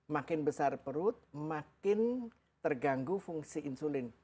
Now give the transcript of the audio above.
makin besar perut makin terganggu fungsi insulin